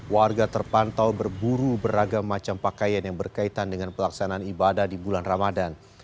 warga terpantau berburu beragam macam pakaian yang berkaitan dengan pelaksanaan ibadah di bulan ramadan